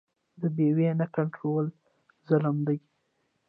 د بیو نه کنټرول ظلم دی.